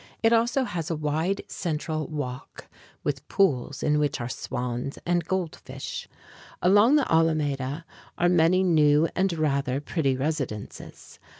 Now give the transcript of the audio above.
It also has a wide central walk with pools, in which are swans and goldfish. Along the Alameda are many new and rather pretty residences.